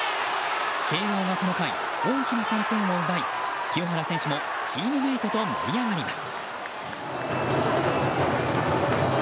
慶應がこの回、大きな３点を奪い清原選手もチームメートと盛り上がります。